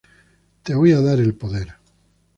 Te voy a dar el poder".